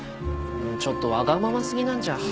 ちょっとわがまますぎなんじゃ。